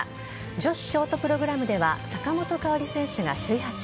女子ショートプログラムでは坂本花織選手が首位発進。